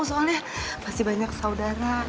soalnya masih banyak saudara